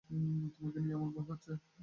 তোমাকে নিয়ে আমার ভয় হচ্ছে।